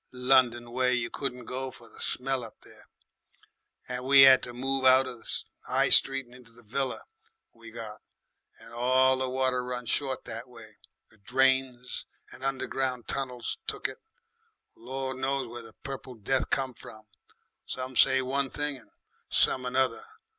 London way, you couldn't go for the smell of there, and we 'ad to move out of the 'I street into that villa we got. And all the water run short that way. The drains and underground tunnels took it. Gor' knows where the Purple Death come from; some say one thing and some another.